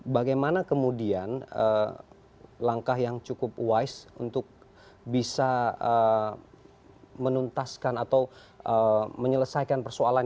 bagaimana kemudian langkah yang cukup wise untuk bisa menuntaskan atau menyelesaikan persoalan